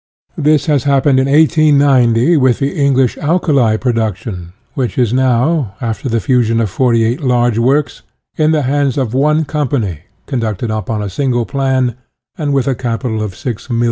This has happened in 1890 with the English alkali production, which is now, after the fusion of 48 large works, in the hands of one company, conducted upon a single plan, and with a capital of 6,000,000.